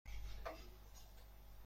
من به تنهایی زندگی می کنم.